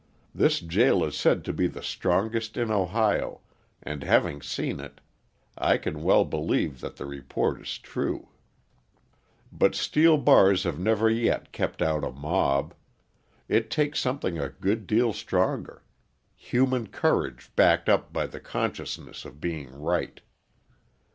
This jail is said to be the strongest in Ohio, and having seen it, I can well believe that the report is true. But steel bars have never yet kept out a mob; it takes something a good deal stronger: human courage backed up by the consciousness of being right.